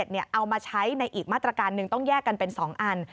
เอามาใช้ในอีกมาตรการหนึ่งต้องแยกกันเป็น๒อัน